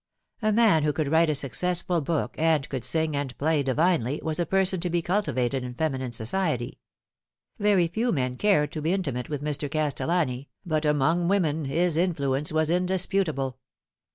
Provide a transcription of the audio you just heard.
A man who could write a successful book, and could sing and play divinely, was a person to be cultivated in feminine society. Very few men cared to be intimate with Mr. Castellani, but among women his influence was indisputable.